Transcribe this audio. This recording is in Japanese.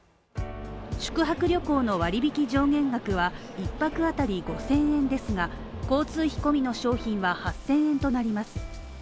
宿泊旅行の割引上限額は１泊当たり５０００円ですが交通費込みの商品は８０００円となります。